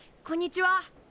こんにちは。